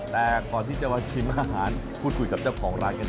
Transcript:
แต่ก่อนที่จะมาชิมอาหารพูดคุยกับเจ้าของร้านกัน